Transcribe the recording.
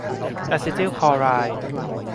อาเซติลคลอไรด์